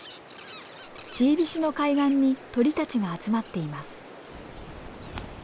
チービシの海岸に鳥たちが集まっています。